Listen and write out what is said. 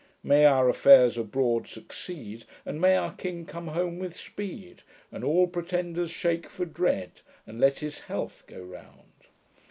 May our affairs abroad succeed, And may our king come home with speed, And all pretenders shake for dread, And let HIS health go round.